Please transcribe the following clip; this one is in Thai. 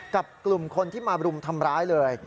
กับกลุ่มคนที่มารุมทำร้ายเลย